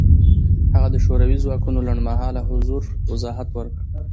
هغه د شوروي ځواکونو لنډمهاله حضور وضاحت ورکړ.